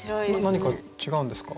何か違うんですか？